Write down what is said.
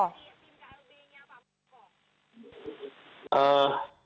tim klb nya pak muldoko